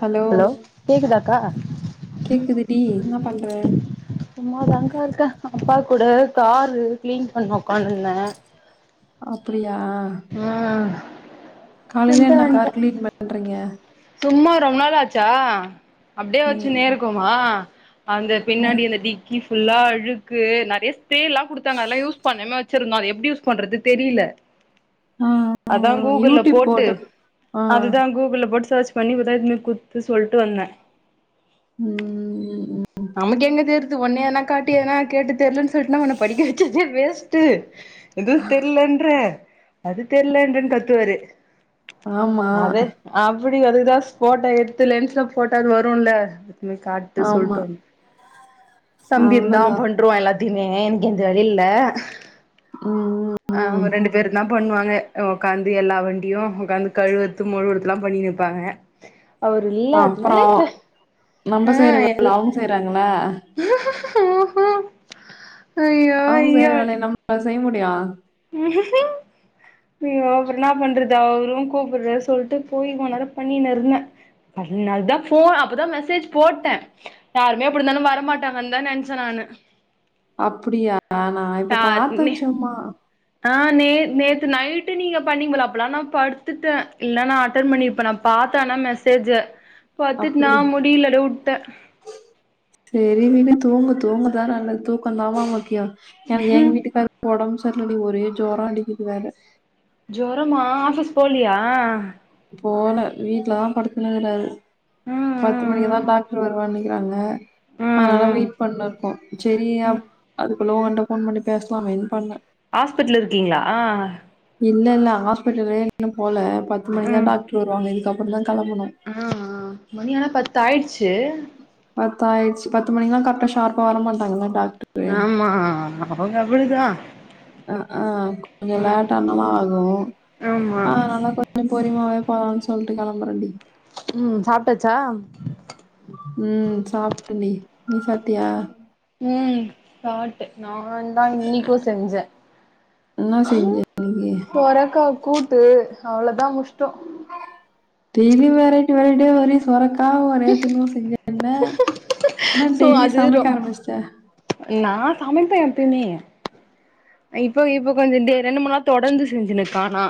hello கேக்குது டி இன்ன பன்ற சும்மா தங்கா இருக்க அப்பா கூட காரு க்ளீன் பண்ண ஒக்காந்துந்த அப்புடிய ஆ காலைலே என்ன கார் கிளீன் பண்றீங்க சும்மா ரொம்நாள் ஆச்சா அப்டே ம் வச்சுனேருக்கோமா அந்த பின்னாடி அந்த டிக்கி ஃபுல்லா அழுக்கு நிறிய ஸ்‌ப்ரேலா குடுத்தாங்க அத்லா யூஸ் பண்ணேம்ய வச் சிருந்தோ அது எப்டி யூஸ் பண்றது தெரியில ஆ ஆ, ஆ, அதா கூகுள்ள யூடியூப் போட்டு ஆ அதுதா கூகுள்ள போட்டு சேர்ச் பண்ணி இப்பதா எத்துனுபோய் குத்து சொல்ட்டு வந்த ம் நமக் எங்க தேருத் ஒன்னே ஏத்னா காட்டி எதனா கேட்டு தெர்லன் சொல்ட்னா உன்ன படிக்க வச்சதே வேஸ்ட்டு எதும் தெர்லன் அது தெர்லன்றன் கத்துவாரு ஆமா விடியோ அதுகுதாஸ் போட்டோ எத்து லென்ஸ்ல போட்டாது வருல்ல காட்டு ஆமா சொல்லிட்டு வந் தம்பி இருந்தா ‌அவ அவ்ளோதா பண்ருவா எல்லாத்தியுமே எ எனக் எந்த வெலில்ல ம் அவுங்க ம் ரெண்டு பேருந்தா பண்வாங்கெ ஒக்காந்து எல்லா வண்டியு ஒக்காந்து கழுவற்து மொழுவற்துலா பண்ணினிருப்பாங்க அவுரு இல்லாத்னால அப்றோ இப்ப நம்ம அ செய்ற வேல அவங்க செய்றாங்களா உம் ஹும் அவுங் செய்ற வேலய நம்ளா செய் முடியு உம் ஐயோ அப்றன்னா பண்றது அவுரு கூப்புற்ற சொல்ட்டு போயி கொ நேர பண்ணினு இர்ந்த அதுல்நால் தா ஃபோன் அப்பதா மெசேஜ் போட்டே யாருமே அப்புடிந்தானு வரமாட்டாங்கன் தா நென்ச்ச நான் ந அப்பிடியா நா இப்ப பாத்தே நே சும்மா ஆ நே நேத்து நைட்டு நீங்க பண்ணிங்கல அப்பலா நா படுத்துட்டே இல்னா நா அட்டன் பண்ணிருப்பே நா பாத்த ஆனா மெசேஜ பத்திட்னா அப்டி முடில அடே உட்டே டெய்லிமே தூங்கு தூங்கதா நல்லது தூக்கந்தாமா முக்கியோ எனக் எங் வீட்டுக்காருக் ஒடம் ச ர்லடி ஒரே ஜொரோ அடிக்கிது வேற ஜொரமா ஆஃபிஸ் போலியா போல வீட்ல தா படுத்துனுருகுறாரு ம் பத்து மணிக்கு தா ம் டாக்ட்ர் வருவன்னிக்கிறாங்க ம் அதனால ம் ம் வெயிட் பண்ணுருக்கோ செரி அப் அதுக்குள்ள உங்கட்ட ஃபோன் பண்ணி பேசலாமேன் பண்ணே ஆஸ்பிட்ல இருக்கீங்ளா இல்லல்ல ஹாஸ்பிட்டலே இன்னும் போல பத்து மணிக்குதா டாக்ட்ரு வருவாங்க இதுக்கப்பறந்தா ம் ம் மணி ஆனா பத்து ஆயிட்ச்சு ப்ப ஆயிட்ச்சு பத்து மணிக்குலா கரெட்டா ஷார்ப்பா வர மாட்டாங்கள்ல டா ஆமா அவுங்க அப்பிடிதா அ அ கொஞ்சோ லேட்டானாலு ஆகு ஆமா அ அதனால கொஞ்சோ பொரிம்யாவே போலான் சொல்ட்டு கெளம்பறண்டி ம் சாப்டாச்சா ம் சாப்டன்டி நீ சாப்டியா ம் பாட்டு நாந்தா இன்னிக்கு செஞ்சே என்னா செஞ்ச இன்னைக்கு சொரக்கா கூ ட்டு அவ்ளதா முஷ்டோ [unintelligible] டெய்லியு வெரைட்டி வெரைட்டியா ஒரே சொரக்கா ஒரே [unintelligible] செஞ்சன்னே என்ன சோ டெய்லி அது ரொ சமைக்க ஆரமிச்ட்டே நா சமைப்பே எப்பிமே இப்ப இப்ப கொஞ்சோ டே ரெண்டு மூணு நாளா தொடந்து செஞ்சினுருக்க ஆனா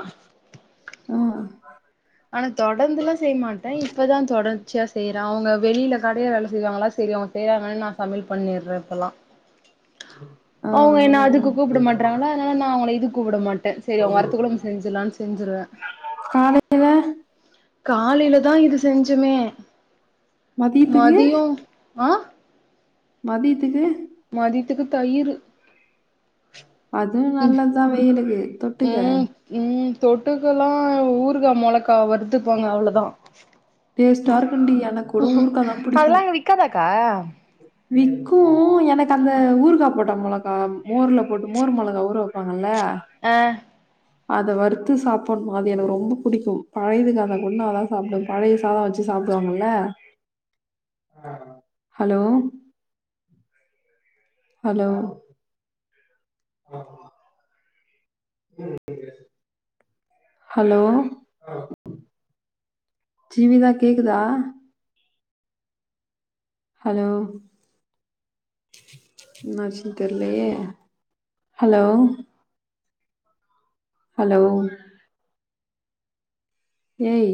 ம் ஆனா தொடந்துலா செய்மாட்டே இப்பதா தொட ச்சியா செய்றே அவுங்க வெளில கடைல வேல செய்வாங்களா செரி அவுங் செய்றாங்ளேன் நா சமையல் பண்ணிர்றே இப்பல்லா ஆ அவுங்க என்ன ஆ அதுக்கு கூப்ட மாட்றாங்களா அதுனால நா அவுங்கள இதுக்‌ கூப்ட மா ட்டே சேரி அவுங்க வரத்துக்குள்ள ம் செஞ்சிர்லான் செஞ்சிருவே காலையில காலில தா இது செஞ்சமே மதியத்துக்கு அ மதியத்துகு மதியத்துக்கு தயிரு அதுவு நல்லத்தா வெயிலுக்கு தொட்டுக்க தொட்டுக்கல்லா ஊருகா மொளக்காவ வறு த்துப்பாங்க அவ்ளதா டேஸ்ட்டா இருக்குண்டி எனக்கு கூட ஊருக்காதா பிடிக்கு விக்கு எனக்கு அந்த ஊருகா போட்ட மொள கா மோர்ல போட்டு மோர் மொளகா ஊற வெப்பாங்கள்ல அ அத வறுத்து சாப்பட்ணு அது எனக்கு ரொம்ப புடிக்கும் பழைய இதுக்காந்தாகூ நா அதா சாப்டு பழைய சாதோ வெச்சி சாப்டுவாங்கள்ல ஹலோ ஹலோ ஆஹ ஹலோ ஜீவிதா கேக்குதா ஹலோ என்னாச்சின் தெர்லியே ஹலோ ஹலோ ஏய்